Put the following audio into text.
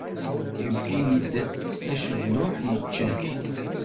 Iwwi d acedluḥ, ičča t.